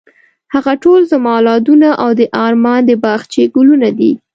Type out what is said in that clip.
هغه ټول زما اولادونه او د ارمان د باغچې ګلونه دي.